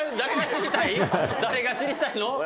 誰が知りたい？